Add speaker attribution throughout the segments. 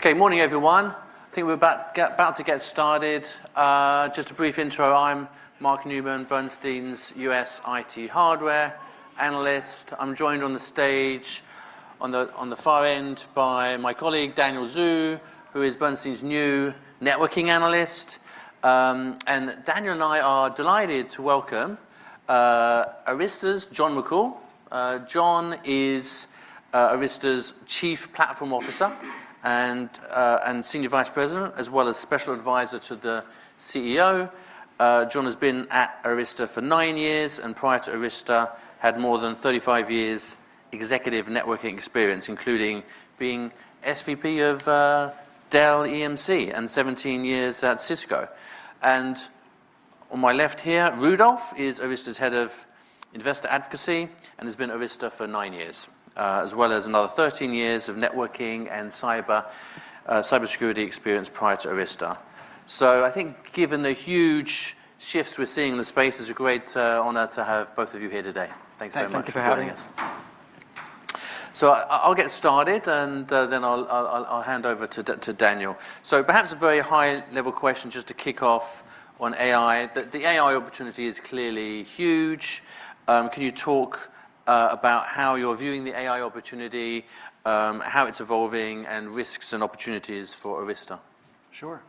Speaker 1: Okay, morning, everyone. I think we're about to get started. Just a brief intro. I'm Mark Newman, Bernstein's US IT Hardware Analyst. I'm joined on the stage on the far end by my colleague, Daniel Zhu, who is Bernstein's new Networking Analyst. Daniel and I are delighted to welcome Arista's John McCool. John is Arista's Chief Platform Officer and Senior Vice President, as well as Special Advisor to the CEO. John has been at Arista for nine years, prior to Arista, had more than 35 years executive networking experience, including being SVP of Dell EMC and 17 years at Cisco. On my left here, Rudolph is Arista's Head of Investor Advocacy, and has been at Arista for nine years, as well as another 13 years of networking and cyber, cybersecurity experience prior to Arista. I think given the huge shifts we're seeing in the space, it's a great, honor to have both of you here today. Thanks very much for joining us...
Speaker 2: Thank you for having us.
Speaker 1: I'll get started, and then I'll hand over to Daniel. Perhaps a very high-level question just to kick off on AI. The AI opportunity is clearly huge. Can you talk about how you're viewing the AI opportunity, how it's evolving, and risks and opportunities for Arista?
Speaker 2: Sure.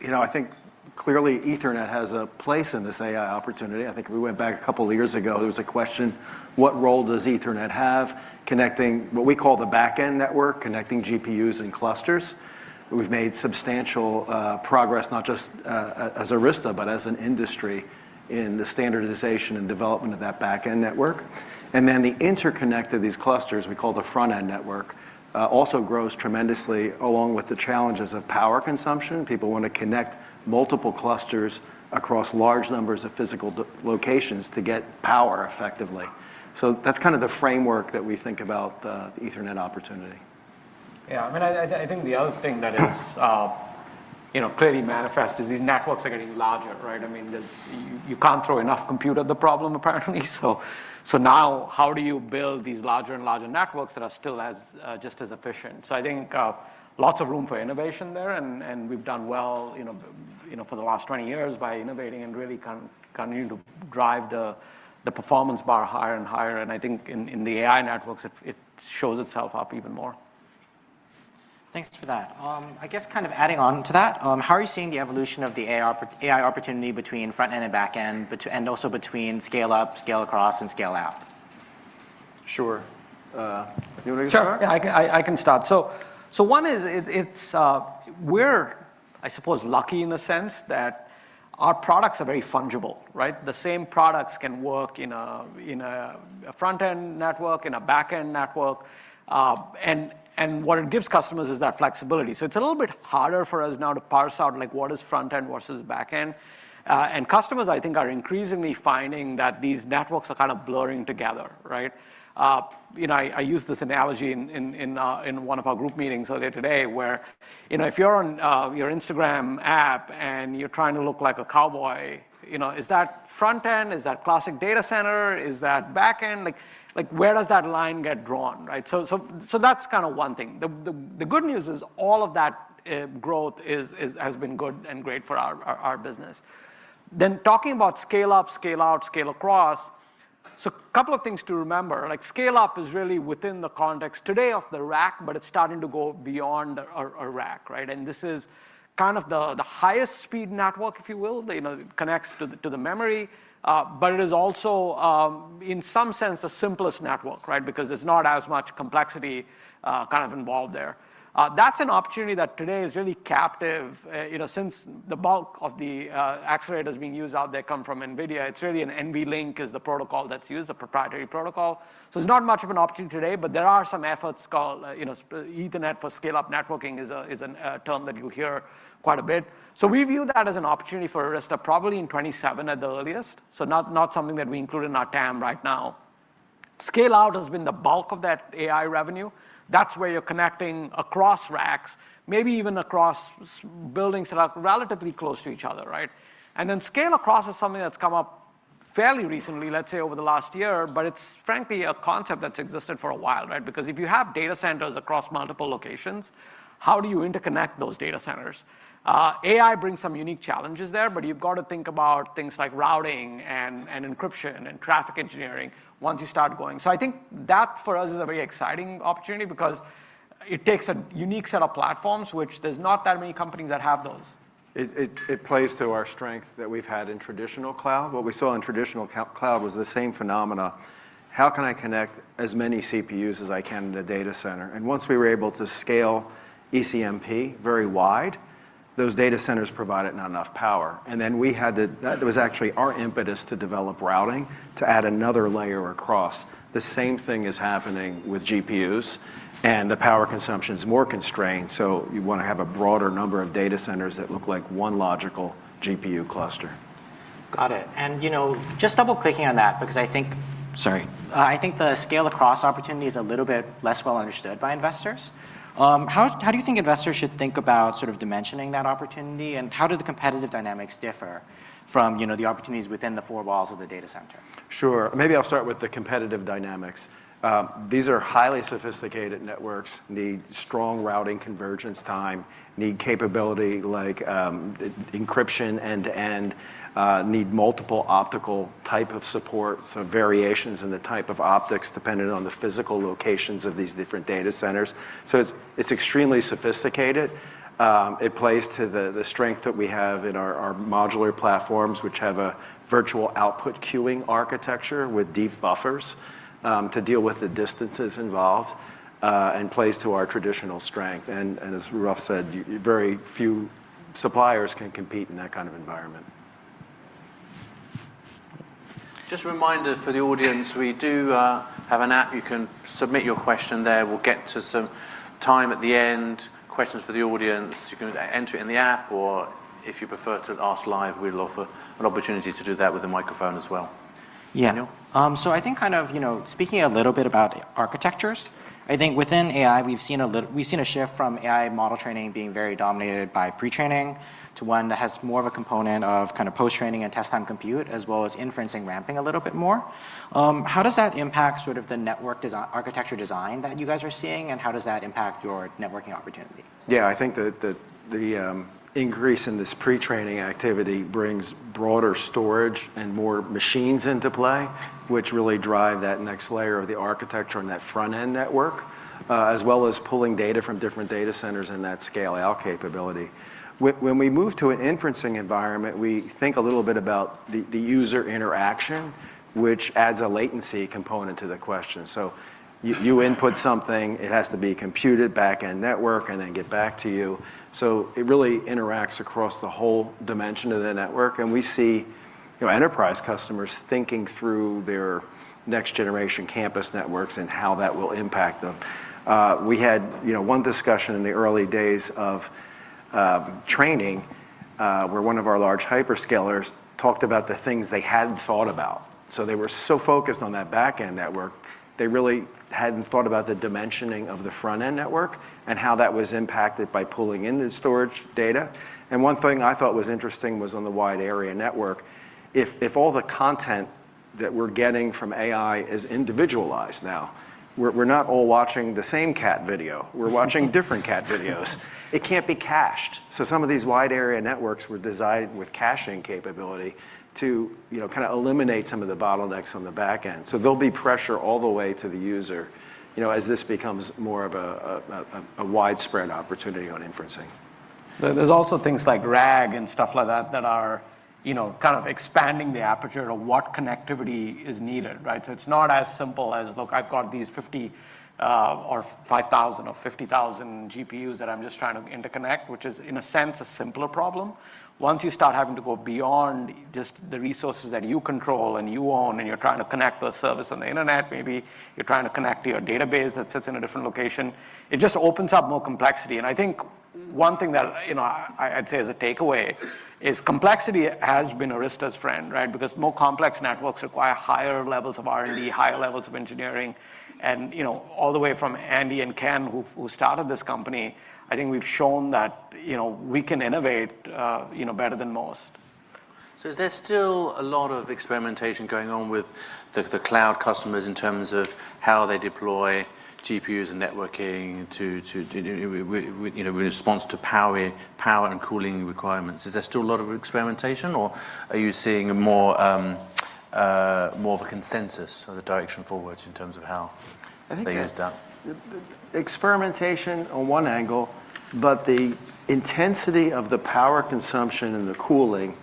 Speaker 2: you know, I think clearly Ethernet has a place in this AI opportunity. I think if we went back a couple of years ago, there was a question: what role does Ethernet have, connecting what we call the back-end network, connecting GPUs and clusters? We've made substantial progress, not just as Arista, but as an industry, in the standardization and development of that back-end network. The interconnect of these clusters, we call the front-end network, also grows tremendously, along with the challenges of power consumption. People want to connect multiple clusters across large numbers of physical locations to get power effectively. That's kind of the framework that we think about the Ethernet opportunity.
Speaker 3: I mean, I think the other thing that is, you know, clearly manifest is these networks are getting larger, right? I mean, there's you can't throw enough compute at the problem, apparently. Now, how do you build these larger and larger networks that are still as just as efficient? I think lots of room for innovation there, and we've done well, you know, for the last 20 years by innovating and really continuing to drive the performance bar higher and higher, and I think in the AI networks, it shows itself up even more.
Speaker 4: Thanks for that. I guess kind of adding on to that, how are you seeing the evolution of the AI opportunity between front-end and back-end, and also between scale up, scale across, and scale out?
Speaker 2: Sure, you want to go first...?
Speaker 3: Sure, yeah, I can start. One is, it's, we're, I suppose, lucky in the sense that our products are very fungible, right? The same products can work in a front-end network, in a back-end network, and what it gives customers is that flexibility. It's a little bit harder for us now to parse out, like, what is front end versus back end. And customers, I think, are increasingly finding that these networks are kind of blurring together, right? You know, I used this analogy in, in one of our group meetings earlier today, where, you know, if you're on your Instagram app and you're trying to look like a cowboy, you know, is that front end? Is that classic data center? Is that back end? Like, where does that line get drawn, right? That's kind of one thing. The good news is all of that growth has been good and great for our business. Talking about scale up, scale out, scale across, a couple of things to remember, like, scale up is really within the context today of the rack, but it's starting to go beyond a rack, right? This is kind of the highest speed network, if you will, that, you know, connects to the memory. But it is also, in some sense, the simplest network, right? Because there's not as much complexity kind of involved there. That's an opportunity that today is really captive, you know, since the bulk of the accelerators being used out there come from NVIDIA, it's really an NVLink is the protocol that's used, a proprietary protocol. There's not much of an opportunity today, but there are some efforts called, you know, Ethernet for scale-up networking is a, is an term that you'll hear quite a bit. We view that as an opportunity for Arista, probably in 2027 at the earliest, not something that we include in our TAM right now. Scale out has been the bulk of that AI revenue. That's where you're connecting across racks, maybe even across buildings that are relatively close to each other, right? Scale-across is something that's come up fairly recently, let's say, over the last year, but it's frankly a concept that's existed for a while, right? Because if you have data centers across multiple locations, how do you interconnect those data centers? AI brings some unique challenges there, but you've got to think about things like routing and encryption and traffic engineering once you start going. I think that, for us, is a very exciting opportunity because it takes a unique set of platforms, which there's not that many companies that have those.
Speaker 2: It plays to our strength that we've had in traditional cloud. What we saw in traditional cloud was the same phenomena. How can I connect as many CPUs as I can in a data center? Once we were able to scale ECMP very wide, those data centers provided not enough power. That was actually our impetus to develop routing, to add another layer across. The same thing is happening with GPUs, and the power consumption is more constrained, so you want to have a broader number of data centers that look like one logical GPU cluster.
Speaker 4: Got it. You know, just double-clicking on that, because I think the scale-across opportunity is a little bit less well understood by investors. How do you think investors should think about sort of dimensioning that opportunity? How do the competitive dynamics differ from, you know, the opportunities within the four walls of the data center?
Speaker 2: Sure. Maybe I'll start with the competitive dynamics. These are highly sophisticated networks, need strong routing convergence time, need capability like encryption end-to-end, need multiple optical type of support, so variations in the type of optics dependent on the physical locations of these different data centers. It's extremely sophisticated. It plays to the strength that we have in our modular platforms, which have a Virtual Output Queuing architecture with deep buffers to deal with the distances involved and plays to our traditional strength. As Raph said, very few suppliers can compete in that kind of environment.
Speaker 1: Just a reminder for the audience, we do have an app. You can submit your question there. We'll get to some time at the end, questions for the audience. You can enter it in the app, or if you prefer to ask live, we'll offer an opportunity to do that with a microphone as well.
Speaker 4: Yeah...
Speaker 1: [inaudible]
Speaker 4: I think kind of, you know, speaking a little bit about architectures, I think within AI, we've seen a shift from AI model training being very dominated by pre-training to one that has more of a component of kind of post-training and test-time compute, as well as inferencing ramping a little bit more. How does that impact sort of the network architecture design that you guys are seeing, and how does that impact your networking opportunity?
Speaker 2: I think that the increase in this pre-training activity brings broader storage and more machines into play, which really drive that next layer of the architecture and that front-end network, as well as pulling data from different data centers and that scale-out capability. When we move to an inferencing environment, we think a little bit about the user interaction, which adds a latency component to the question. You, you input something, it has to be computed back-end network and then get back to you. It really interacts across the whole dimension of the network, and we see, you know, enterprise customers thinking through their next-generation campus networks and how that will impact them. We had, you know, one discussion in the early days of training, where one of our large hyperscalers talked about the things they hadn't thought about. They were so focused on that back-end network, they really hadn't thought about the dimensioning of the front-end network and how that was impacted by pulling in the storage data. One thing I thought was interesting was on the wide-area network. If all the content that we're getting from AI is individualized now, we're not all watching the same cat video. We're watching different cat videos. It can't be cached. Some of these wide-area networks were designed with caching capability to, you know, kind of eliminate some of the bottlenecks on the back end. There'll be pressure all the way to the user, you know, as this becomes more of a widespread opportunity on inferencing.
Speaker 3: There's also things like RAG and stuff like that are, you know, kind of expanding the aperture of what connectivity is needed, right? It's not as simple as, "Look, I've got these 50 or 5,000 or 50,000 GPUs that I'm just trying to interconnect," which is, in a sense, a simpler problem. Once you start having to go beyond just the resources that you control and you own, and you're trying to connect to a service on the internet, maybe you're trying to connect to your database that sits in a different location, it just opens up more complexity. I think one thing that, you know, I'd say as a takeaway is complexity has been Arista's friend, right? Because more complex networks require higher levels of R&D, higher levels of engineering. You know, all the way from Andy and Ken, who started this company, I think we've shown that, you know, we can innovate, you know, better than most.
Speaker 1: Is there still a lot of experimentation going on with the cloud customers in terms of how they deploy GPUs and networking, you know, in response to power and cooling requirements? Is there still a lot of experimentation, or are you seeing more, more of a consensus on the direction forward in terms of how...
Speaker 3: I think...
Speaker 1: They use that?
Speaker 2: Experimentation on one angle, the intensity of the power consumption and the cooling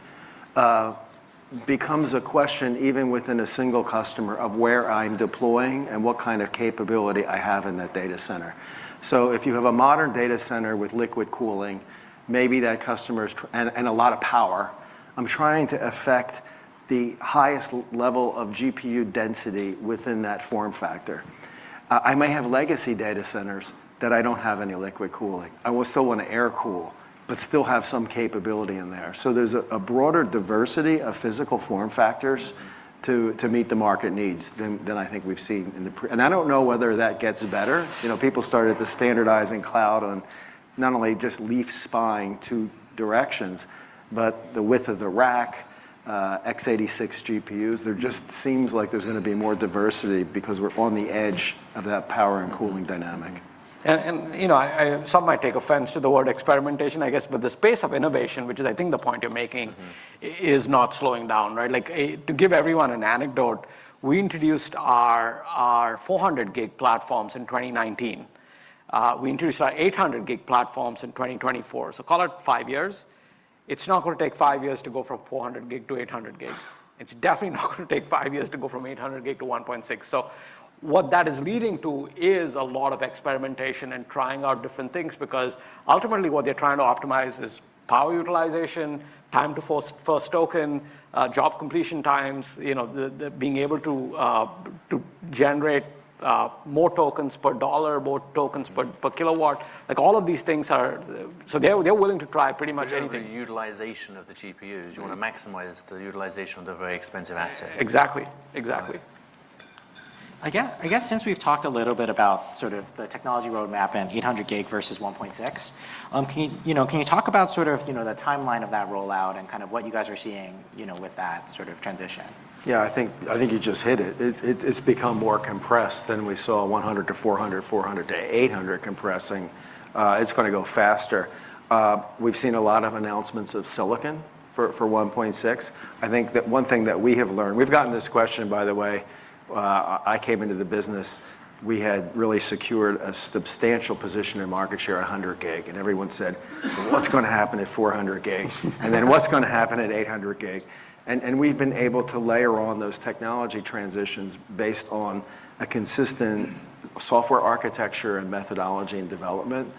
Speaker 2: becomes a question, even within a single customer, of where I'm deploying and what kind of capability I have in that data center. If you have a modern data center with liquid cooling, maybe that customer's and a lot of power, I'm trying to affect the highest level of GPU density within that form factor. I may have legacy data centers that I don't have any liquid cooling. I will still want to air cool but still have some capability in there. There's a broader diversity of physical form factors to meet the market needs than I think we've seen. I don't know whether that gets better. You know, people started to standardizing cloud on not only just leaf-spine two directions, but the width of the rack, x86 GPUs. There just seems like there's going to be more diversity because we're on the edge of that power and cooling dynamic.
Speaker 3: You know, I Some might take offense to the word experimentation, I guess, but the pace of innovation, which is I think the point you're making.
Speaker 2: Mm-hmm.
Speaker 3: is not slowing down, right? Like, to give everyone an anecdote, we introduced our 400 gig platforms in 2019. We introduced our 800 gig platforms in 2024, so call it five years. It's not going to take five years to go from 400 gig to 800 gig. It's definitely not going to take five years to go from 800 gig to 1.6. What that is leading to is a lot of experimentation and trying out different things, because ultimately, what they're trying to optimize is power utilization, time to first token, job completion times, you know, the being able to generate more tokens per dollar, more tokens per kilowatt. Like, all of these things are. They're willing to try pretty much anything...
Speaker 2: The utilization of the GPUs.
Speaker 3: Mm-hmm.
Speaker 2: You want to maximize the utilization of the very expensive asset.
Speaker 3: Exactly, exactly.
Speaker 4: I guess since we've talked a little bit about sort of the technology roadmap and 800 gig versus 1.6, you know, can you talk about sort of, you know, the timeline of that rollout and kind of what you guys are seeing, you know, with that sort of transition?
Speaker 2: I think you just hit it. It's become more compressed than we saw 100 to 400 to 800 compressing. It's gonna go faster. We've seen a lot of announcements of silicon for 1.6. I think that one thing that we have learned. We've gotten this question, by the way, I came into the business, we had really secured a substantial position in market share at 100 gig, everyone said, "What's gonna happen at 400 gig? What's gonna happen at 800 gig?" We've been able to layer on those technology transitions based on a consistent software architecture and methodology and development.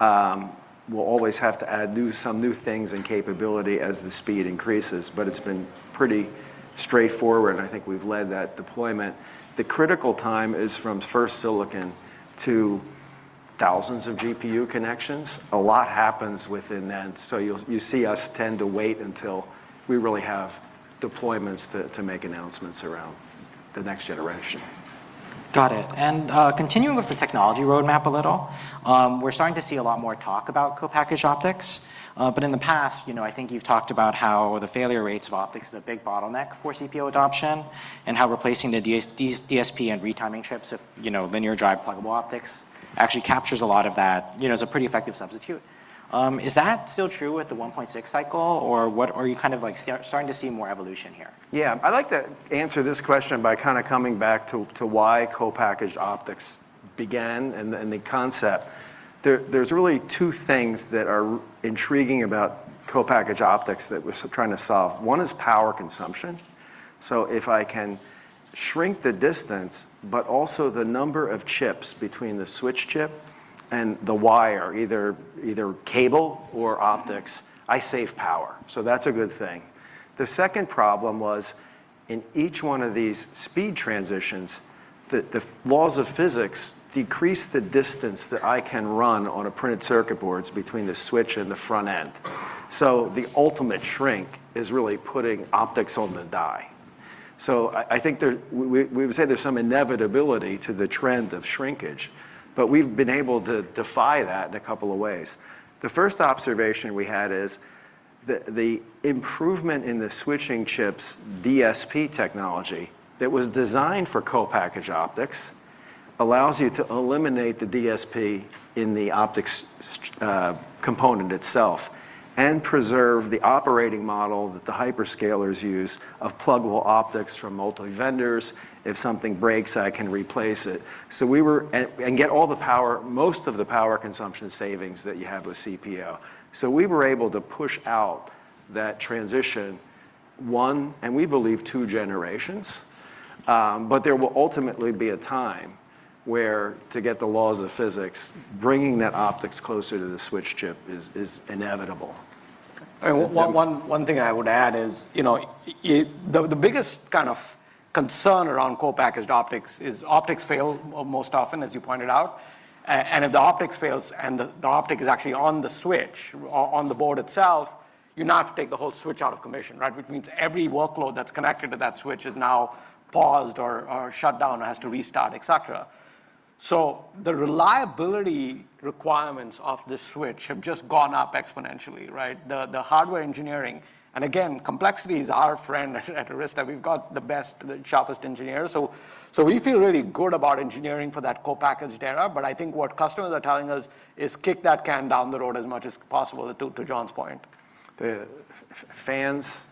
Speaker 2: We'll always have to add some new things and capability as the speed increases, but it's been pretty straightforward, and I think we've led that deployment. The critical time is from first silicon to thousands of GPU connections. A lot happens within then, so you see us tend to wait until we really have deployments to make announcements around the next generation.
Speaker 4: Got it. Continuing with the technology roadmap a little, we're starting to see a lot more talk about co-packaged optics. In the past, you know, I think you've talked about how the failure rates of optics is a big bottleneck for CPO adoption, and how replacing these DSP and retiming chips with, you know, linear drive, pluggable optics actually captures a lot of that. You know, it's a pretty effective substitute. Is that still true with the 1.6 cycle, or are you kind of, like, starting to see more evolution here?
Speaker 2: Yeah. I'd like to answer this question by kind of coming back to why co-packaged optics began and the concept. There's really two things that are intriguing about co-packaged optics that we're so trying to solve. One is power consumption. If I can shrink the distance, but also the number of chips between the switch chip and the wire, either cable or optics, I save power, that's a good thing. The second problem was, in each one of these speed transitions, the laws of physics decrease the distance that I can run on a printed circuit boards between the switch and the front end. The ultimate shrink is really putting optics on the die. I think there... We would say there's some inevitability to the trend of shrinkage, but we've been able to defy that in a couple of ways. The first observation we had is the improvement in the switching chips DSP technology that was designed for co-packaged optics, allows you to eliminate the DSP in the optics component itself, and preserve the operating model that the hyperscalers use of pluggable optics from multiple vendors. If something breaks, I can replace it. Get most of the power consumption savings that you have with CPO. We were able to push out that transition one, and we believe two generations, but there will ultimately be a time where to get the laws of physics, bringing that optics closer to the switch chip is inevitable.
Speaker 4: Okay.
Speaker 3: One thing I would add is, you know, the biggest kind of concern around co-packaged optics is optics fail most often, as you pointed out, and if the optics fails and the optic is actually on the switch, on the board itself, you now have to take the whole switch out of commission, right? Which means every workload that's connected to that switch is now paused or shut down, or has to restart, et cetera. The reliability requirements of the switch have just gone up exponentially, right? Again, complexity is our friend at Arista. We've got the best, the sharpest engineers. We feel really good about engineering for that co-package era, but I think what customers are telling us is, "Kick that can down the road as much as possible," to John's point.
Speaker 2: The fans,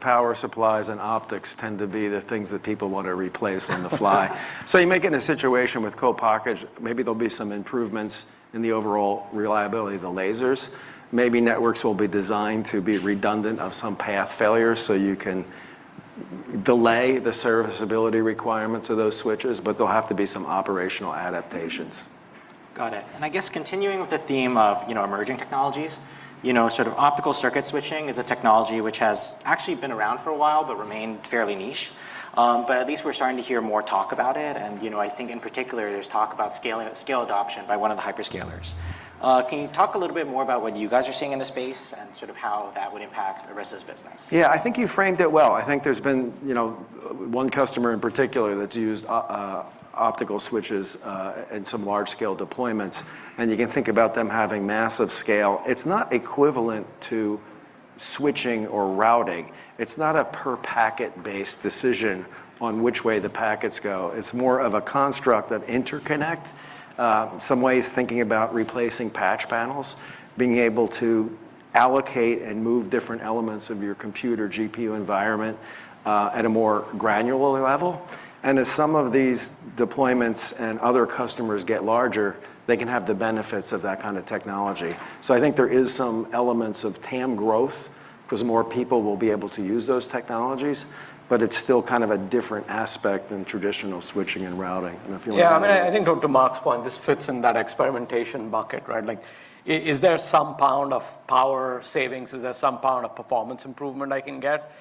Speaker 2: power supplies, and optics tend to be the things that people want to replace on the fly. You may get in a situation with co-package, maybe there'll be some improvements in the overall reliability of the lasers. Maybe networks will be designed to be redundant of some path failure, so you can delay the serviceability requirements of those switches, but there'll have to be some operational adaptations.
Speaker 4: Got it. I guess continuing with the theme of, you know, emerging technologies, you know, sort of optical circuit switching is a technology which has actually been around for a while but remained fairly niche. At least we're starting to hear more talk about it, and, you know, I think in particular, there's talk about scale adoption by one of the hyperscalers. Can you talk a little bit more about what you guys are seeing in the space and sort of how that would impact Arista's business?
Speaker 2: Yeah, I think you framed it well. I think there's been one customer in particular that's used optical switches in some large-scale deployments, and you can think about them having massive scale. It's not equivalent to switching or routing. It's not a per packet-based decision on which way the packets go. It's more of a construct, an interconnect, some ways, thinking about replacing patch panels, being able to allocate and move different elements of your computer GPU environment at a more granular level. As some of these deployments and other customers get larger, they can have the benefits of that kind of technology. I think there is some elements of TAM growth, 'cause more people will be able to use those technologies, but it's still kind of a different aspect than traditional switching and routing. If you want.
Speaker 3: I think to Mark's point, this fits in that experimentation bucket, right? Like, is there some pound of power savings? Is there some pound of performance improvement I can get?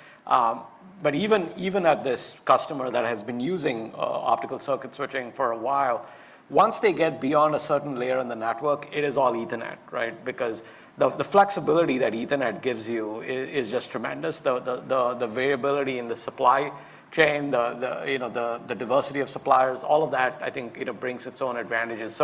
Speaker 3: Even, even at this customer that has been using Optical Circuit Switching for a while, once they get beyond a certain layer in the network, it is all Ethernet, right? Because the flexibility that Ethernet gives you is just tremendous. The variability in the supply chain, the, you know, the diversity of suppliers, all of that, I think, you know, brings its own advantages.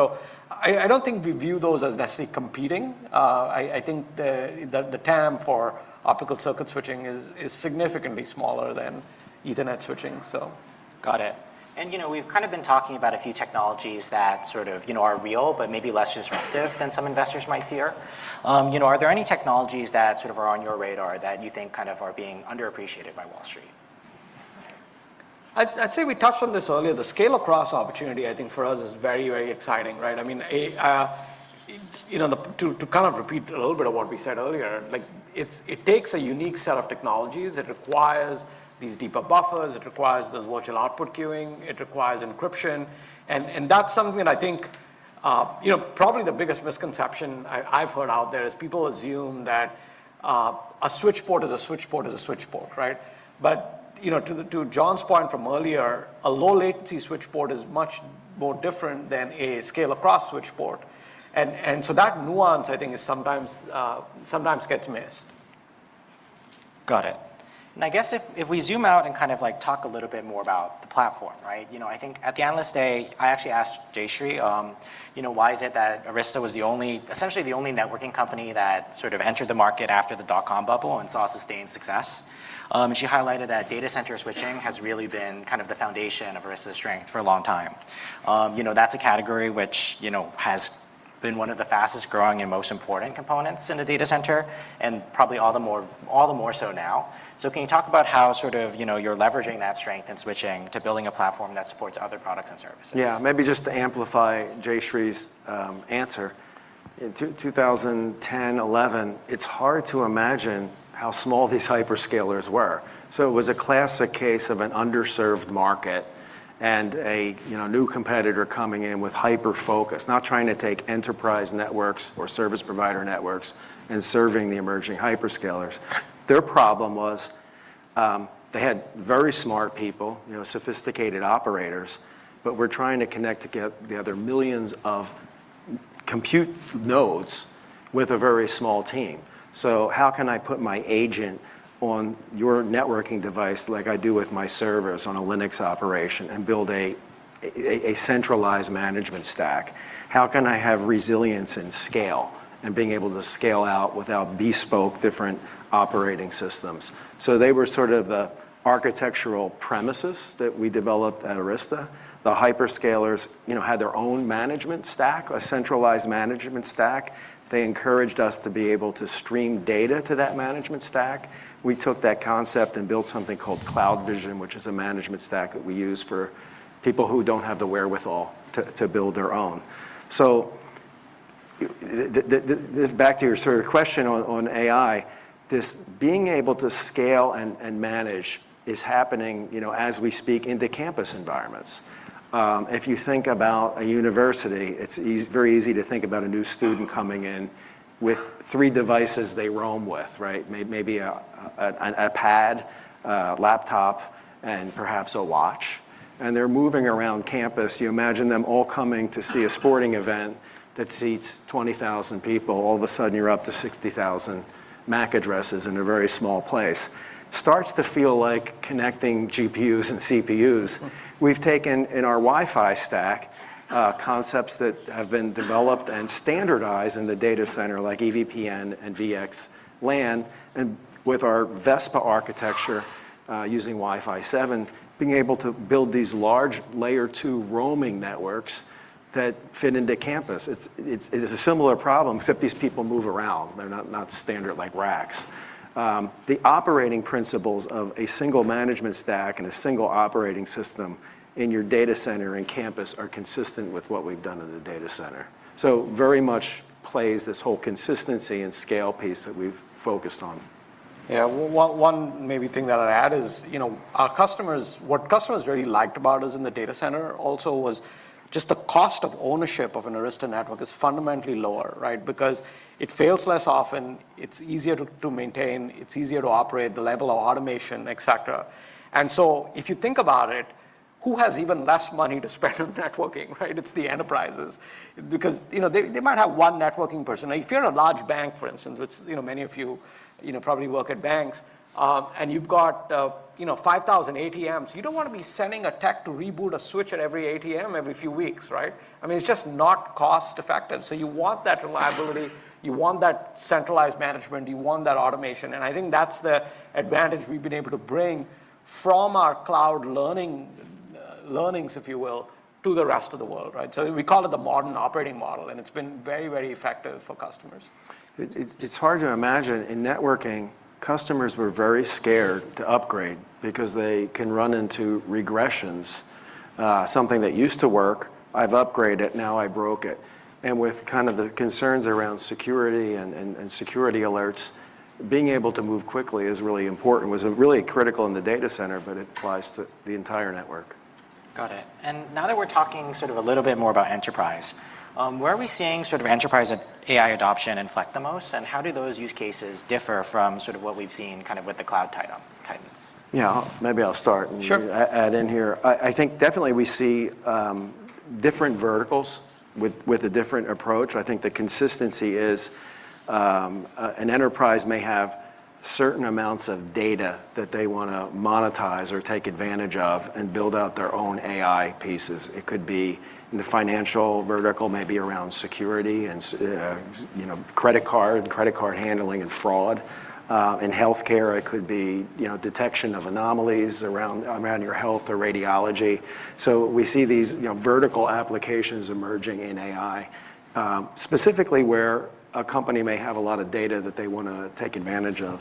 Speaker 3: I don't think we view those as necessarily competing. I think the TAM for Optical Circuit Switching is significantly smaller than Ethernet switching.
Speaker 4: Got it. You know, we've kind of been talking about a few technologies that sort of, you know, are real, but maybe less disruptive than some investors might fear. You know, are there any technologies that sort of are on your radar that you think kind of are being underappreciated by Wall Street?
Speaker 3: I'd say we touched on this earlier. The scale-across opportunity, I think, for us, is very, very exciting, right? I mean, you know, to kind of repeat a little bit of what we said earlier, like, it takes a unique set of technologies. It requires these deeper buffers, it requires those virtual output queuing, it requires encryption. That's something that I think, you know, probably the biggest misconception I've heard out there is people assume that a switchport is a switchport, is a switchport, right? You know, to John's point from earlier, a low latency switchport is much more different than a scale-across switchport. That nuance, I think, is sometimes gets missed.
Speaker 4: Got it. I guess if we zoom out and kind of, like, talk a little bit more about the platform, right? You know, I think at the Analyst Day, I actually asked Jayshree, you know, "Why is it that Arista was essentially the only networking company that sort of entered the market after the dot-com bubble and saw sustained success?" She highlighted that data center switching has really been kind of the foundation of Arista's strength for a long time. You know, that's a category which, you know, has been one of the fastest growing and most important components in a data center, and probably all the more so now. Can you talk about how sort of, you know, you're leveraging that strength and switching to building a platform that supports other products and services?
Speaker 2: Maybe just to amplify Jayshree's answer. In 2010, 2011, it's hard to imagine how small these hyperscalers were. It was a classic case of an underserved market and a, you know, new competitor coming in with hyper-focus, not trying to take enterprise networks or service provider networks, and serving the emerging hyperscalers. Their problem was, they had very smart people, you know, sophisticated operators, but were trying to connect together millions of compute nodes with a very small team. How can I put my agent on your networking device like I do with my servers on a Linux operation, and build a centralized management stack? How can I have resilience and scale, and being able to scale out without bespoke different operating systems? They were sort of the architectural premises that we developed at Arista. The hyperscalers, you know, had their own management stack, a centralized management stack. They encouraged us to be able to stream data to that management stack. We took that concept and built something called CloudVision, which is a management stack that we use for people who don't have the wherewithal to build their own. This back to your sort of question on AI, this being able to scale and manage is happening, you know, as we speak, into campus environments. If you think about a university, it's very easy to think about a new student coming in with three devices they roam with, right? Maybe an iPad, a laptop, and perhaps a watch, and they're moving around campus. You imagine them all coming to see a sporting event that seats 20,000 people. All of a sudden, you're up to 60,000 MAC addresses in a very small place. Starts to feel like connecting GPUs and CPUs.
Speaker 4: Mm.
Speaker 2: We've taken, in our Wi-Fi stack, concepts that have been developed and standardized in the data center, like EVPN and VXLAN, and with our Vespa architecture, using Wi-Fi seven, being able to build these large Layer two roaming networks that fit into campus. It's a similar problem, except these people move around. They're not standard like racks. The operating principles of a single management stack and a single operating system in your data center and campus are consistent with what we've done in the data center. Very much plays this whole consistency and scale piece that we've focused on.
Speaker 3: Yeah. One maybe thing that I'd add is, you know, our customers, what customers really liked about us in the data center also was just the cost of ownership of an Arista network is fundamentally lower, right? Because it fails less often, it's easier to maintain, it's easier to operate, the level of automation, et cetera. If you think about it, who has even less money to spend on networking, right? It's the enterprises, because, you know, they might have one networking person. If you're a large bank, for instance, which, you know, many of you know, probably work at banks, and you've got, you know, 5,000 ATMs, you don't want to be sending a tech to reboot a switch at every ATM every few weeks, right? I mean, it's just not cost effective. You want that reliability, you want that centralized management, you want that automation, and I think that's the advantage we've been able to bring from our cloud learning, learnings, if you will, to the rest of the world, right? We call it the modern operating model, and it's been very, very effective for customers.
Speaker 2: It's hard to imagine, in networking, customers were very scared to upgrade because they can run into regressions. Something that used to work, I've upgraded it, now I broke it. With kind of the concerns around security and security alerts, being able to move quickly is really important. It was really critical in the data center, but it applies to the entire network.
Speaker 4: Got it. Now that we're talking sort of a little bit more about enterprise, where are we seeing sort of enterprise AI adoption inflect the most, and how do those use cases differ from sort of what we've seen kind of with the cloud title?
Speaker 2: Yeah, maybe I'll start.
Speaker 3: Sure.
Speaker 2: Add in here. I think definitely we see different verticals with a different approach. I think the consistency is an enterprise may have certain amounts of data that they wanna monetize or take advantage of and build out their own AI pieces. It could be in the financial vertical, maybe around security and, you know, credit card handling and fraud. In healthcare, it could be, you know, detection of anomalies around your health or radiology. We see these, you know, vertical applications emerging in AI specifically where a company may have a lot of data that they wanna take advantage of.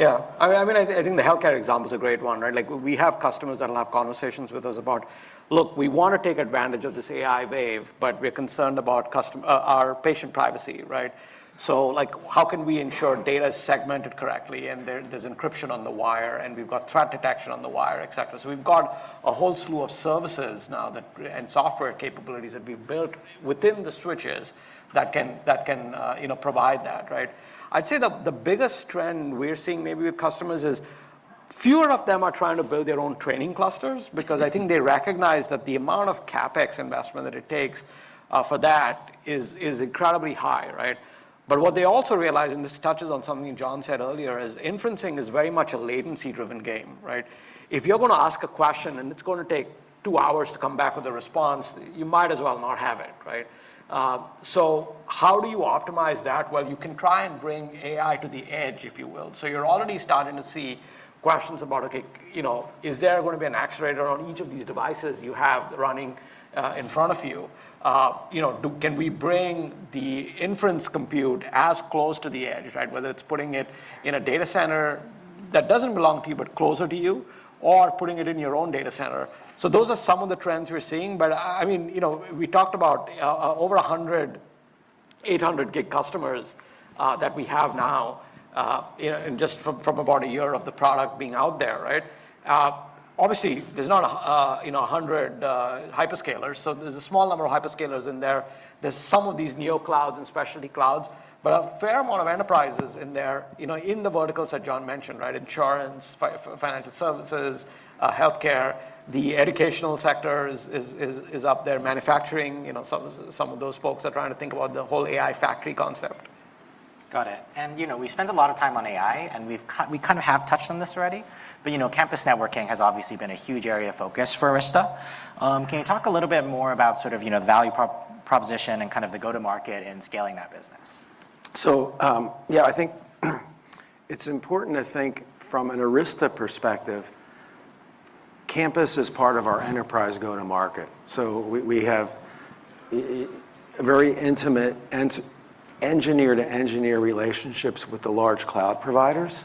Speaker 3: Yeah, I mean, I think the healthcare example is a great one, right? Like, we have customers that will have conversations with us about, "Look, we want to take advantage of this AI wave, but we're concerned about our patient privacy, right? Like, how can we ensure data is segmented correctly, and there's encryption on the wire, and we've got threat detection on the wire, et cetera." We've got a whole slew of services now that, and software capabilities that we've built within the switches that can, you know, provide that, right? I'd say the biggest trend we're seeing maybe with customers is fewer of them are trying to build their own training clusters, because I think they recognize that the amount of CapEx investment that it takes, for that is incredibly high, right? What they also realize, and this touches on something John said earlier, is inferencing is very much a latency-driven game, right? If you're going to ask a question and it's going to take two hours to come back with a response, you might as well not have it, right? How do you optimize that? Well, you can try and bring AI to the edge, if you will. You're already starting to see questions about, okay, you know, is there going to be an accelerator on each of these devices you have running in front of you? You know, can we bring the inference compute as close to the edge, right? Whether it's putting it in a data center that doesn't belong to you, but closer to you, or putting it in your own data center. Those are some of the trends we're seeing. I mean, you know, we talked about over 100 800 gig customers that we have now, you know, and just from about a year of the product being out there, right? Obviously, there's not a, you know, 100 hyperscalers, so there's a small number of hyperscalers in there. There's some of these neo-clouds and specialty clouds, but a fair amount of enterprises in there, you know, in the verticals that John mentioned, right? Insurance, financial services, healthcare, the educational sector is up there, manufacturing, you know, some of those folks are trying to think about the whole AI factory concept.
Speaker 4: Got it. You know, we spent a lot of time on AI, and we kind of have touched on this already, but, you know, campus networking has obviously been a huge area of focus for Arista. Can you talk a little bit more about sort of, you know, the value proposition and kind of the go-to-market in scaling that business?
Speaker 2: Yeah, I think it's important to think from an Arista perspective, campus is part of our enterprise go-to-market. We have a very intimate engineer-to-engineer relationships with the large cloud providers.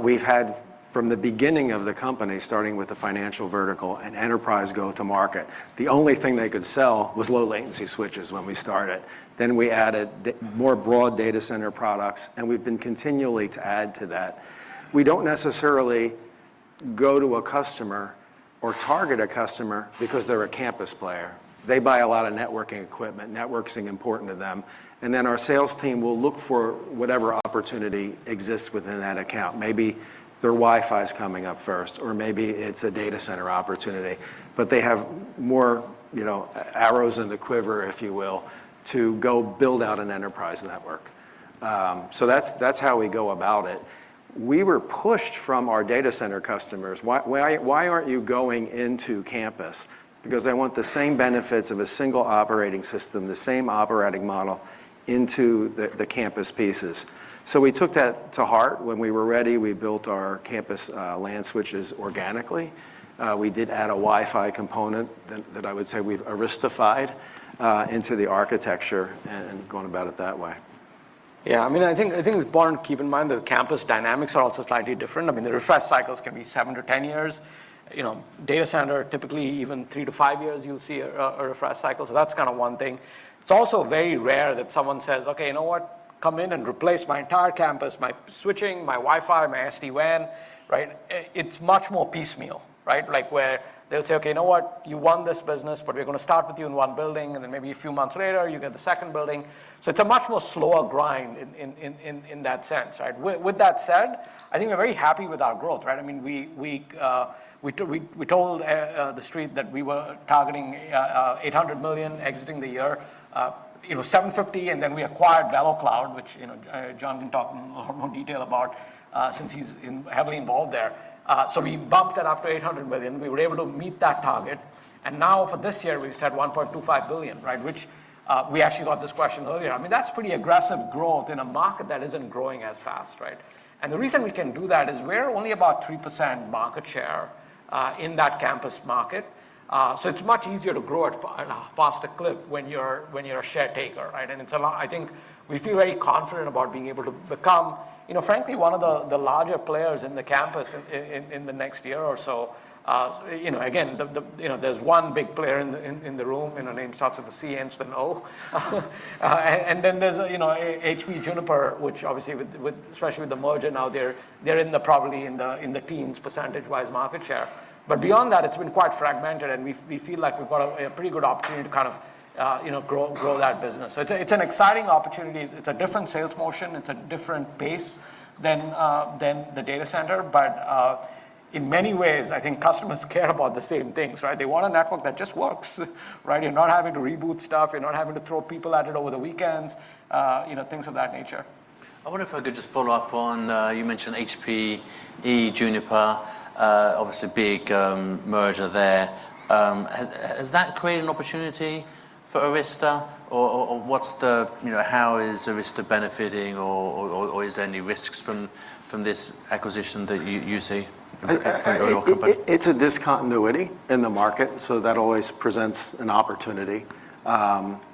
Speaker 2: We've had, from the beginning of the company, starting with the financial vertical, an enterprise go-to-market. The only thing they could sell was low-latency switches when we started. We added the more broad data center products, and we've been continually to add to that. We don't necessarily go to a customer or target a customer because they're a campus player. They buy a lot of networking equipment, networking important to them, and then our sales team will look for whatever opportunity exists within that account. Maybe their Wi-Fi is coming up first, or maybe it's a data center opportunity, but they have more, you know, arrows in the quiver, if you will, to go build out an enterprise network. That's, that's how we go about it. We were pushed from our data center customers. "Why, why aren't you going into campus?" They want the same benefits of a single operating system, the same operating model into the campus pieces. We took that to heart. When we were ready, we built our campus LAN switches organically. We did add a Wi-Fi component that I would say we've Arista-fied into the architecture and gone about it that way.
Speaker 3: I mean, I think it's important to keep in mind that campus dynamics are also slightly different. I mean, the refresh cycles can be seven to 10 years. You know, data center, typically even three to five years, you'll see a refresh cycle. That's kind of one thing. It's also very rare that someone says, "Okay, you know what? Come in and replace my entire campus, my switching, my Wi-Fi, my SD-WAN," right? It's much more piecemeal, right? Like, where they'll say, "Okay, you know what? You won this business, but we're gonna start with you in one building, and then maybe a few months later, you get the second building." It's a much more slower grind in that sense, right? With that said, I think we're very happy with our growth, right? I mean, we told the street that we were targeting $800 million exiting the year, you know, $750 million, and then we acquired VeloCloud, which, you know, John can talk in more detail about, since he's heavily involved there. So, we bumped it up to $800 million. We were able to meet that target, and now for this year, we've set $1.25 billion, right? Which, we actually got this question earlier. I mean, that's pretty aggressive growth in a market that isn't growing as fast, right? The reason we can do that is we're only about 3% market share in that campus market. So, it's much easier to grow at a faster clip when you're a share taker, right? It's a lot. I think we feel very confident about being able to become, you know, frankly, one of the larger players in the campus in the next year or so. You know, again, the, you know, there's one big player in the room, and the name starts with a C, ends with an O. Then there's, you know, HPE/Juniper, which obviously with especially with the merger now, they're in the probably in the teens, percentage-wise, market share. Beyond that, it's been quite fragmented, and we feel like we've got a pretty good opportunity to kind of, you know, grow that business. It's an exciting opportunity. It's a different sales motion, it's a different pace than the data center. In many ways, I think customers care about the same things, right? They want a network that just works, right? You're not having to reboot stuff. You're not having to throw people at it over the weekends. You know, things of that nature.
Speaker 1: I wonder if I could just follow up on. You mentioned HPE/Juniper, obviously big merger there. Has that created an opportunity for Arista, or you know, how is Arista benefiting, or is there any risks from this acquisition that you see for your company?
Speaker 2: It's a discontinuity in the market. That always presents an opportunity.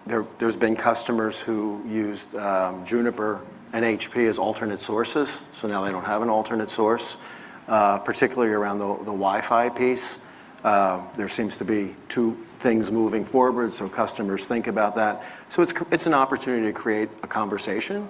Speaker 2: There's been customers who used Juniper and HP as alternate sources. Now they don't have an alternate source, particularly around the Wi-Fi piece. There seems to be two things moving forward. Customers think about that. It's an opportunity to create a conversation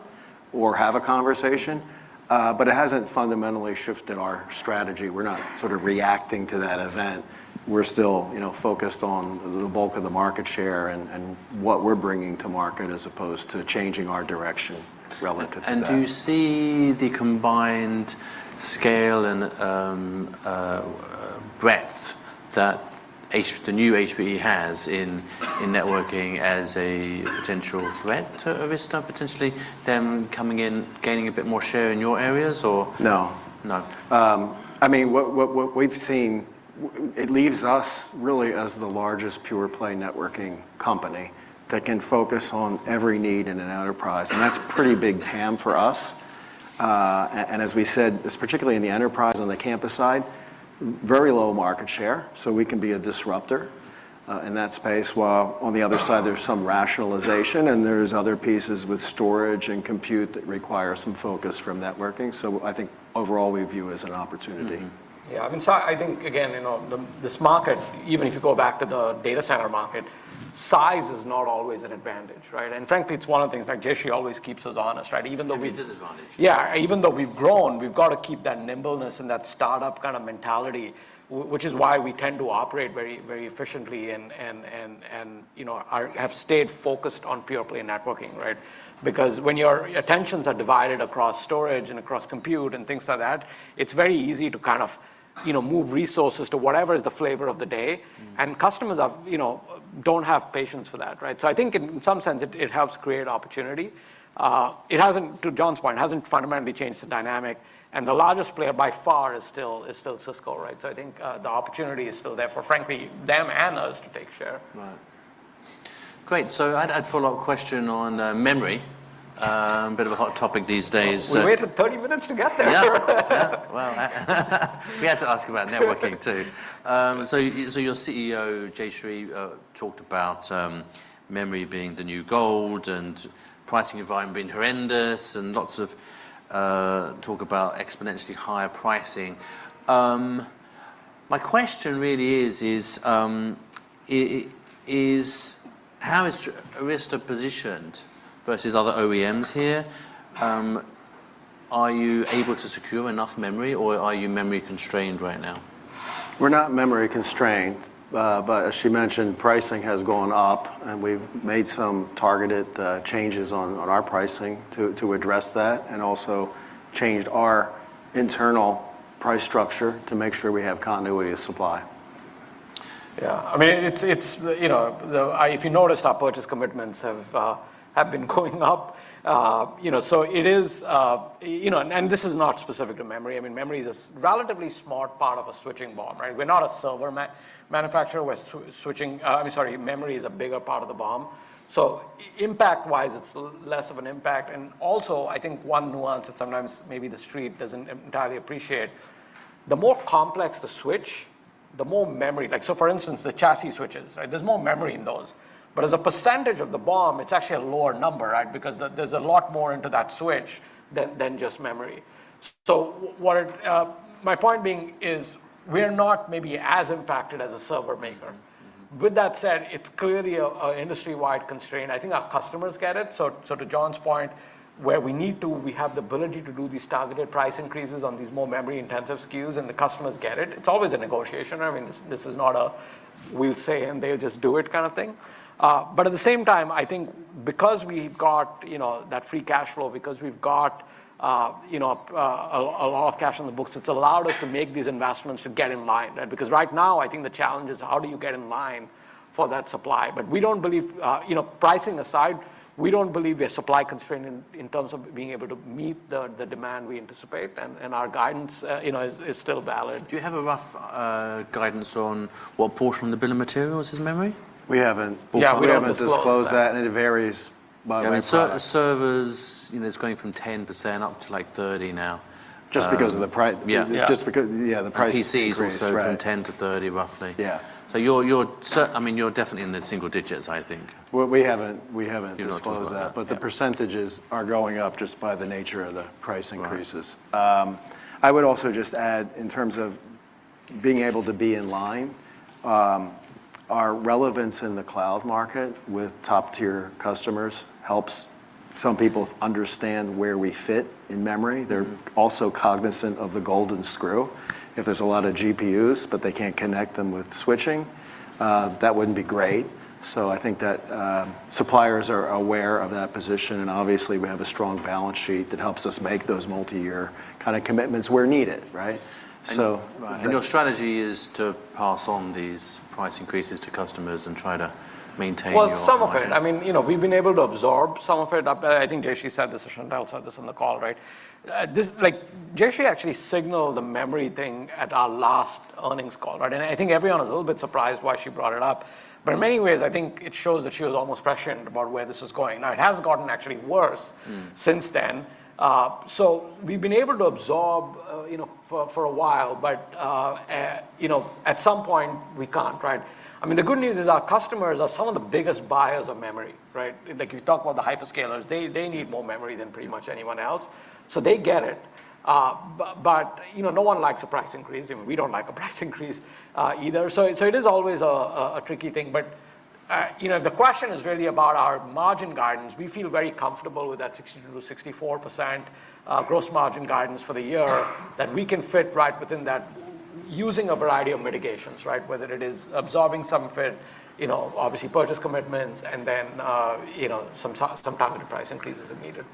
Speaker 2: or have a conversation, but it hasn't fundamentally shifted our strategy. We're not sort of reacting to that event. We're still, you know, focused on the bulk of the market share and what we're bringing to market, as opposed to changing our direction relative to that.
Speaker 1: Do you see the combined scale and breadth that the new HPE has in networking as a potential threat to Arista? Potentially them coming in, gaining a bit more share in your areas or?
Speaker 2: No. No. I mean, what we've seen, it leaves us really as the largest pure-play networking company that can focus on every need in an enterprise, and that's a pretty big TAM for us. As we said, particularly in the enterprise on the campus side, very low market share, so we can be a disruptor in that space. While on the other side, there's some rationalization, and there's other pieces with storage and compute that require some focus from networking. So, I think overall, we view it as an opportunity.
Speaker 1: Mm-hmm.
Speaker 3: Yeah, I mean, I think again, you know, this market, even if you go back to the data center market, size is not always an advantage, right? Frankly, it's one of the things that Jayshree always keeps us honest, right...?
Speaker 1: Can be a disadvantage.
Speaker 3: Yeah. Even though we've grown, we've got to keep that nimbleness and that start-up kind of mentality, which is why we tend to operate very efficiently and, you know, have stayed focused on pure-play networking, right? Because when your attentions are divided across storage and across compute and things like that, it's very easy to kind of, you know, move resources to whatever is the flavor of the day.
Speaker 1: Mm.
Speaker 3: Customers are, you know, don't have patience for that, right? I think in some sense it helps create opportunity. It hasn't, to John's point, it hasn't fundamentally changed the dynamic, and the largest player by far is still Cisco, right? I think, the opportunity is still there for frankly, them and us to take share.
Speaker 1: Right. Great, so I had a follow-up question on memory. A bit of a hot topic these days, so...
Speaker 3: We waited 30 minutes to get there...
Speaker 1: Yeah. Yeah, well, we had to ask about networking, too. Your CEO, Jayshree, talked about memory being the new gold and pricing environment being horrendous and lots of talk about exponentially higher pricing. My question really is how is Arista positioned versus other OEMs here? Are you able to secure enough memory, or are you memory constrained right now?
Speaker 2: We're not memory constrained. As she mentioned, pricing has gone up. We've made some targeted changes on our pricing to address that. Also changed our internal price structure to make sure we have continuity of supply.
Speaker 3: Yeah. I mean, it's, you know, if you noticed, our purchase commitments have been going up. You know, so it is, you know. This is not specific to memory. I mean, memory is a relatively small part of a switching BOM, right. We're not a server manufacturer. I mean, sorry, memory is a bigger part of the BOM. Impact wise, it's less of an impact. Also, I think one nuance that sometimes maybe the street doesn't entirely appreciate, the more complex the switch, the more memory. Like, so for instance, the chassis switches, right. There's more memory in those, but as a percentage of the BOM, it's actually a lower number, right. Because there's a lot more into that switch than just memory. What. My point being is, we're not maybe as impacted as a server maker.
Speaker 1: Mm-hmm.
Speaker 3: With that said, it's clearly a industry-wide constraint. I think our customers get it. To John's point, where we need to, we have the ability to do these targeted price increases on these more memory-intensive SKUs, and the customers get it. It's always a negotiation. I mean, this is not a we'll say, and they'll just do it kind of thing. At the same time, I think because we've got, you know, that free cash flow, because we've got, you know, a lot of cash on the books, it's allowed us to make these investments to get in line. Right. Because right now, I think the challenge is, how do you get in line for that supply? We don't believe, you know, pricing aside, we don't believe we're supply constrained in terms of being able to meet the demand we anticipate, and our guidance, you know, is still valid.
Speaker 1: Do you have a rough guidance on what portion of the bill of materials is memory?
Speaker 2: We haven't.
Speaker 3: Yeah...
Speaker 2: We haven't disclosed that, and it varies by... [inadible]
Speaker 1: Servers, you know, it's going from 10% up to, like, 30% now.
Speaker 2: Just because of the...
Speaker 1: Yeah.
Speaker 2: Just because. Yeah, the pricing... [inaudible]
Speaker 1: PCs also from 10% to 30%, roughly.
Speaker 2: Yeah.
Speaker 1: I mean, you're definitely in the single digits, I think.
Speaker 2: Well, we haven't disclosed that...
Speaker 1: Disclosed that. Yeah...
Speaker 2: The percentages are going up just by the nature of the price increases.
Speaker 1: Right.
Speaker 2: I would also just add, in terms of being able to be in line, our relevance in the cloud market with top-tier customers helps some people understand where we fit in memory.
Speaker 1: Mm.
Speaker 2: They're also cognizant of the golden screw. If there's a lot of GPUs, but they can't connect them with switching, that wouldn't be great. I think that suppliers are aware of that position, and obviously, we have a strong balance sheet that helps us make those multi-year kind of commitments where needed, right?
Speaker 1: Right. Your strategy is to pass on these price increases to customers and try to maintain your...
Speaker 3: Well, some of it. I mean, you know, we've been able to absorb some of it. I think Jayshree said this, and Chantal said this on the call, right? This, like, Jayshree actually signaled the memory thing at our last earnings call, right? I think everyone was a little bit surprised why she brought it up. In many ways, I think it shows that she was almost prescient about where this was going. It has gotten actually worse...
Speaker 1: Mm.
Speaker 3: Since then. We've been able to absorb, you know, for a while, but, you know, at some point, we can't, right? I mean, the good news is our customers are some of the biggest buyers of memory, right? Like, you talk about the hyperscalers, they need more memory than pretty much anyone else, so they get it.... but you know, no one likes a price increase, and we don't like a price increase, either. It is always a tricky thing. The question is really about our margin guidance. We feel very comfortable with that 60% to 64%, gross margin guidance for the year, that we can fit right within that using a variety of mitigations, right? Whether it is absorbing some of it, you know, obviously purchase commitments and then, you know, some targeted price increases are needed.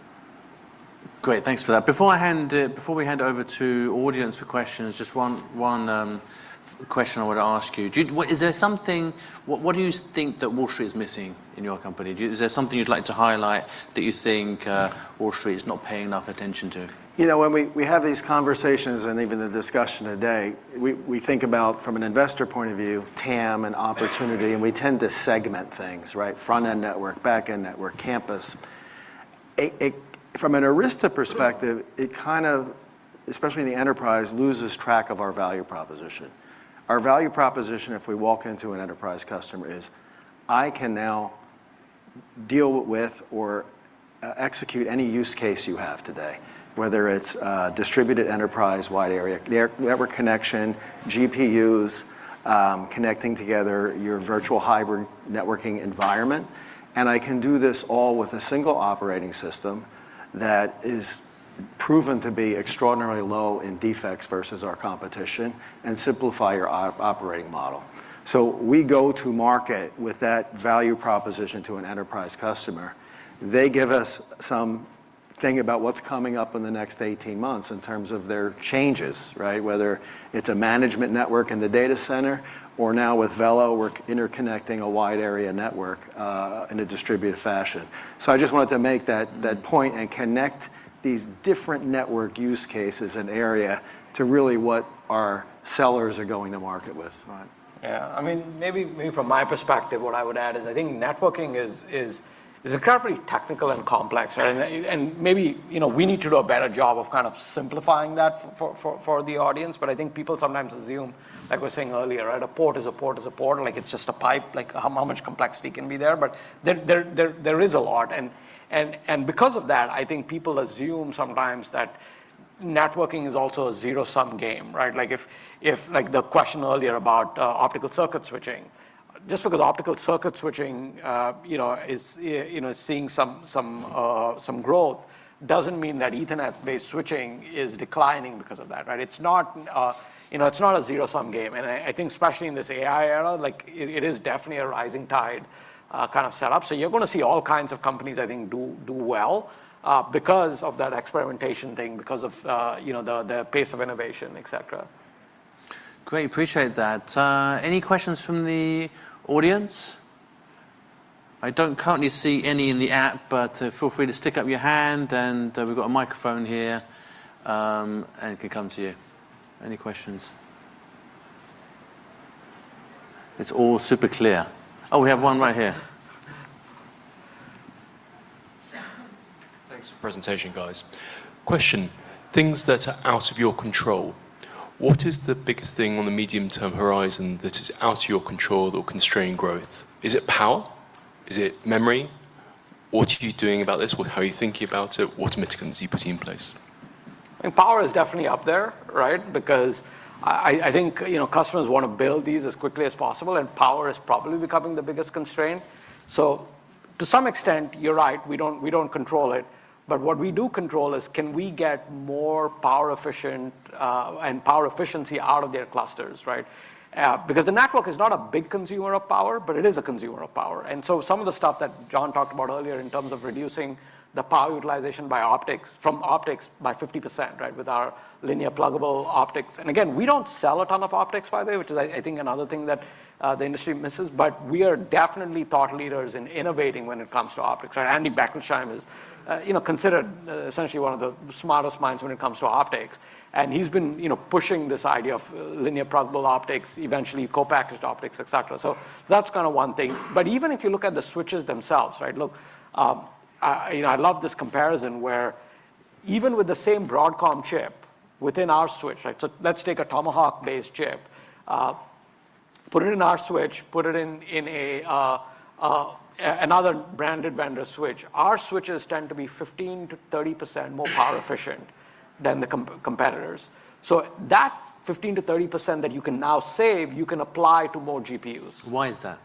Speaker 1: Great. Thanks for that. Before we hand over to audience for questions, just one question I would ask you. Is there something? What do you think that Wall Street is missing in your company? Is there something you'd like to highlight that you think Wall Street is not paying enough attention to?
Speaker 2: You know, when we have these conversations, even the discussion today, we think about from an investor point of view, TAM and opportunity. We tend to segment things, right? Front-end network, back-end network, campus. From an Arista perspective, it kind of, especially in the enterprise, loses track of our value proposition. Our value proposition, if we walk into an enterprise customer, is, "I can now deal with or execute any use case you have today, whether it's a distributed enterprise, wide area, network connection, GPUs, connecting together your virtual hybrid networking environment, and I can do this all with a single operating system that is proven to be extraordinarily low in defects versus our competition, and simplify your operating model." We go to market with that value proposition to an enterprise customer. They give us something about what's coming up in the next 18 months in terms of their changes, right. Whether it's a management network in the data center, or now with VeloCloud, we're interconnecting a wide area network in a distributed fashion. I just wanted to make that point and connect these different network use cases and area to really what our sellers are going to market with.
Speaker 3: Right. Yeah, I mean, maybe from my perspective, what I would add is I think networking is incredibly technical and complex, right? Maybe, you know, we need to do a better job of kind of simplifying that for the audience. I think people sometimes assume, like we were saying earlier, right, a port is a port is a port, like it's just a pipe, like how much complexity can be there? There is a lot, and because of that, I think people assume sometimes that networking is also a zero-sum game, right? If, like the question earlier about optical circuit switching. Because optical circuit switching, you know, is, you know, seeing some growth, doesn't mean that Ethernet-based switching is declining because of that, right? It's not, you know, it's not a zero-sum game. I think especially in this AI era, like, it is definitely a rising tide, kind of setup. You're gonna see all kinds of companies, I think, do well, because of that experimentation thing, because of, you know, the pace of innovation, etc.
Speaker 1: Great, appreciate that. Any questions from the audience? I don't currently see any in the app. Feel free to stick up your hand. We've got a microphone here. It can come to you. Any questions? It's all super clear. Oh, we have one right here.
Speaker 5: Thanks for the presentation, guys. Question: things that are out of your control, what is the biggest thing on the medium-term horizon that is out of your control or constrained growth? Is it power? Is it memory? What are you doing about this? What, how are you thinking about it? What mitigations are you putting in place?
Speaker 3: I think power is definitely up there, right? Because I think, you know, customers want to build these as quickly as possible, and power is probably becoming the biggest constraint. To some extent, you're right, we don't control it. What we do control is, can we get more power efficient, and power efficiency out of their clusters, right? Because the network is not a big consumer of power, but it is a consumer of power. Some of the stuff that John talked about earlier in terms of reducing the power utilization by optics, from optics by 50%, right, with our linear pluggable optics. Again, we don't sell a ton of optics, by the way, which is, I think another thing that the industry misses, but we are definitely thought leaders in innovating when it comes to optics, right? Andy Bechtolsheim is, you know, considered essentially one of the smartest minds when it comes to optics, and he's been, you know, pushing this idea of linear pluggable optics, eventually co-packaged optics, etc. That's kind of one thing. Even if you look at the switches themselves, right? Look, you know, I love this comparison, where even with the same Broadcom chip within our switch, right? Let's take a Tomahawk-based chip, put it in our switch, put it in another branded vendor switch. Our switches tend to be 15% to 30% more power efficient than the competitors. That 15% to 30% that you can now save, you can apply to more GPUs.
Speaker 5: Why is that?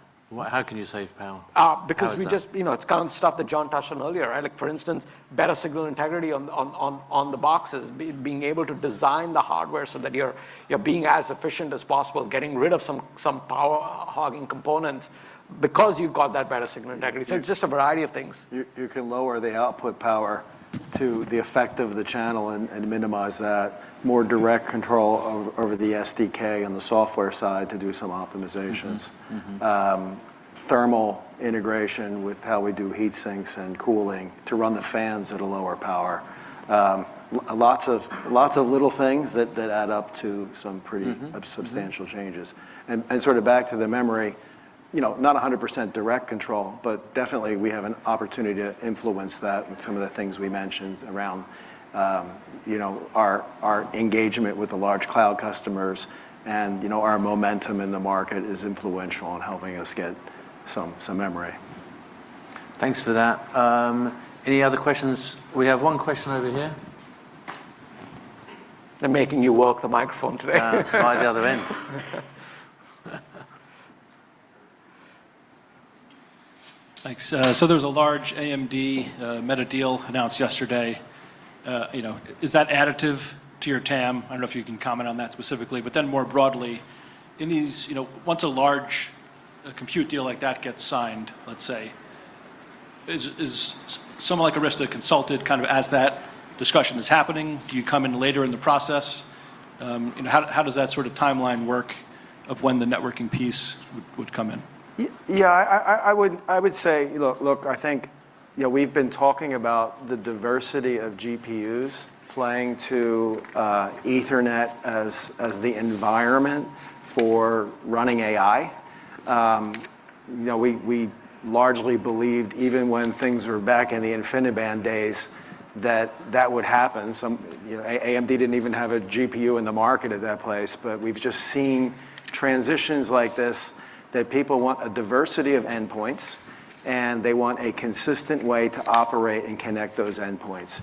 Speaker 5: How can you save power?
Speaker 3: Uh...
Speaker 1: How is that...?
Speaker 3: Because we just You know, it's kind of stuff that John touched on earlier, right? Like, for instance, better signal integrity on the boxes, being able to design the hardware so that you're being as efficient as possible, getting rid of some power-hogging components because you've got that better signal integrity. Just a variety of things.
Speaker 2: You can lower the output power to the effect of the channel and minimize that. More direct control over the SDK on the software side to do some optimizations.
Speaker 5: Mm-hmm. Mm-hmm.
Speaker 2: Thermal integration with how we do heat sinks and cooling to run the fans at a lower power. Lots of little things that add up to some pretty...
Speaker 5: Mm-hmm, mm-hmm.
Speaker 2: Substantial changes. Sort of back to the memory, you know, not 100% direct control, but definitely we have an opportunity to influence that with some of the things we mentioned around, you know, our engagement with the large cloud customers and, you know, our momentum in the market is influential in helping us get some memory.
Speaker 1: Thanks for that. Any other questions? We have one question over here.
Speaker 3: They're making you work the microphone today.
Speaker 1: By the other end.
Speaker 6: Thanks. There was a large AMD, Meta deal announced yesterday. You know, is that additive to your TAM? I don't know if you can comment on that specifically, but then more broadly, in these, you know, once a large, compute deal like that gets signed, let's say, is someone like Arista consulted kind of as that discussion is happening? Do you come in later in the process? How does that sort of timeline work of when the networking piece would come in?
Speaker 2: Yeah, I would say, look, I think, you know, we've been talking about the diversity of GPUs playing to Ethernet as the environment for running AI. You know, we largely believed, even when things were back in the InfiniBand days, that that would happen. Some, you know, AMD didn't even have a GPU in the market at that place, we've just seen transitions like this, that people want a diversity of endpoints, and they want a consistent way to operate and connect those endpoints.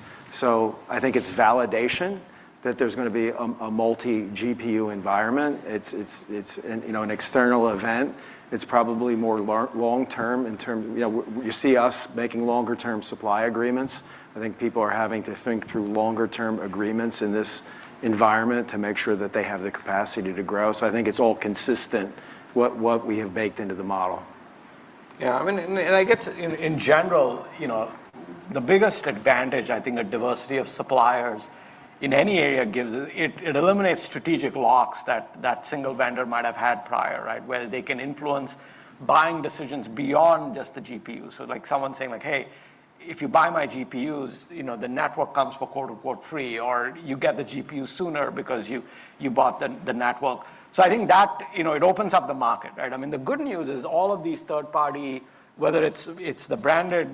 Speaker 2: I think it's validation that there's gonna be a multi-GPU environment. It's, you know, an external event. It's probably more long term. You know, you see us making longer term supply agreements. I think people are having to think through longer term agreements in this environment to make sure that they have the capacity to grow. I think it's all consistent what we have baked into the model.
Speaker 3: I mean, I guess in general, you know, the biggest advantage, I think, a diversity of suppliers in any area gives. It eliminates strategic locks that single vendor might have had prior, right? Like someone saying like: "Hey, if you buy my GPUs, you know, the network comes for, quote-unquote, free, or you get the GPU sooner because you bought the network." I think that, you know, it opens up the market, right? I mean, the good news is all of these third party, whether it's the branded,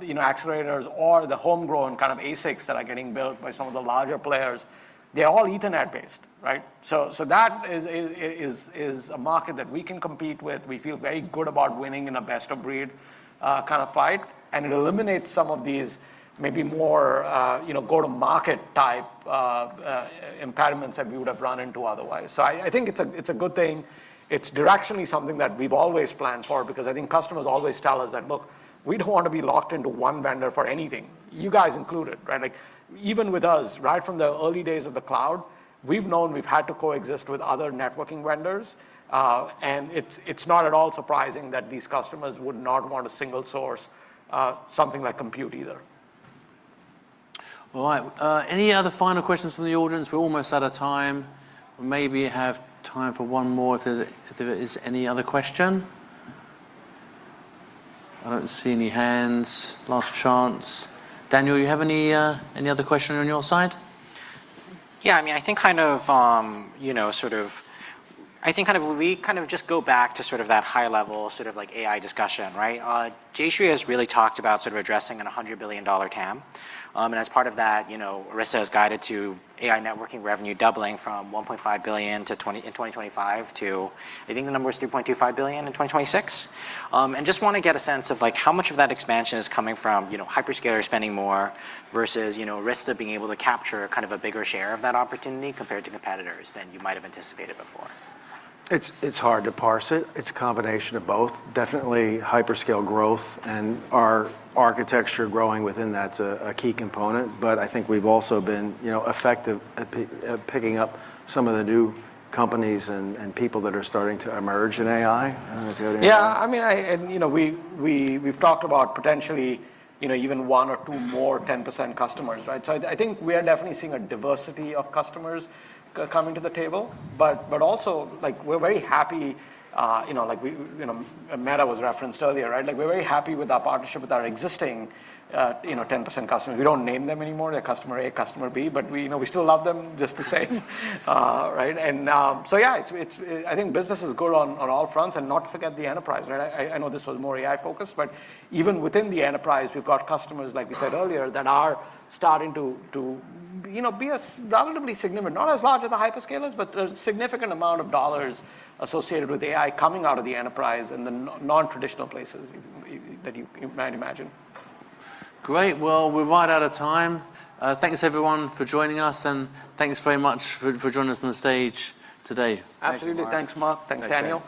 Speaker 3: you know, accelerators or the homegrown kind of ASICs that are getting built by some of the larger players, they're all Ethernet-based, right? That is a market that we can compete with. We feel very good about winning in a best of breed, kind of fight. It eliminates some of these maybe more, you know, go-to-market type impediments that we would have run into otherwise. I think it's a, it's a good thing. It's directionally something that we've always planned for because I think customers always tell us that, "Look, we don't want to be locked into one vendor for anything," you guys included, right? Like, even with us, right from the early days of the cloud, we've known we've had to coexist with other networking vendors. It's, it's not at all surprising that these customers would not want to single source, something like Compute either.
Speaker 1: All right. Any other final questions from the audience? We're almost out of time. We maybe have time for one more if there is any other question. I don't see any hands. Last chance. Daniel, you have any other question on your side?
Speaker 4: Yeah, I mean, I think kind of, you know, we just go back to sort of that high level, sort of like AI discussion, right? Jayshree has really talked about sort of addressing a $100 billion TAM. As part of that, you know, Arista has guided to AI networking revenue doubling from $1.5 billion in 2025 to, I think the number is $3.25 billion in 2026. Just want to get a sense of like, how much of that expansion is coming from, you know, hyperscalers spending more versus, you know, Arista being able to capture kind of a bigger share of that opportunity compared to competitors than you might have anticipated before.
Speaker 2: It's hard to parse it. It's a combination of both. Definitely hyperscale growth and our architecture growing within that's a key component. I think we've also been, you know, effective at picking up some of the new companies and people that are starting to emerge in AI. I don't know if you have anything... [inadible]
Speaker 3: I mean, I, you know, we've talked about potentially, you know, even one or two more 10% customers, right? I think we are definitely seeing a diversity of customers coming to the table. Also, like, we're very happy, you know, like, we, you know, Meta was referenced earlier, right? Like, we're very happy with our partnership with our existing, you know, 10% customers. We don't name them anymore. They're customer A, customer B, but we, you know, we still love them just the same. Right? Yeah, it's, I think business is good on all fronts, and not to forget the enterprise, right? I know this was more AI focused, but even within the enterprise, we've got customers, like we said earlier, that are starting to, you know, be a relatively significant, not as large as the hyperscalers, but a significant amount of dollars associated with AI coming out of the enterprise in the non-traditional places you, that you might imagine.
Speaker 1: Great. Well, we're right out of time. Thanks everyone for joining us. Thanks very much for joining us on the stage today.
Speaker 2: Thank you, Mark.
Speaker 3: Absolutely. Thanks, Mark.
Speaker 4: Thanks.
Speaker 3: Thanks, Daniel.